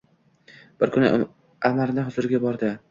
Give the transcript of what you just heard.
Bir kuni amirni huziriga bordi.